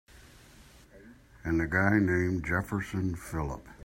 And a guy named Jefferson Phillip.